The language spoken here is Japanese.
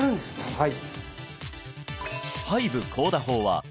はい